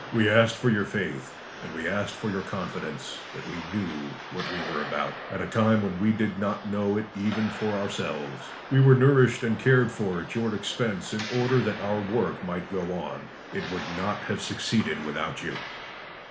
We asked for your faith and we asked for your confidence that we knew what we were about, at a time when we did not know it even for ourselves. We were nourished and cared for at your expense in order that our work might go on. It would not have succeeded without you."